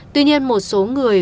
tuy nhiên một số người